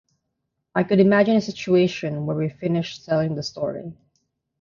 I could imagine a situation where we finish telling the story.